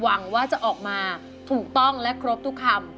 หวังว่าจะออกมาถูกต้องและครบทุกคำ